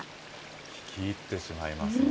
聞き入ってしまいますね。